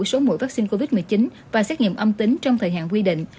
số mũi vaccine covid một mươi chín và xét nghiệm âm tính trong thời hạn quy định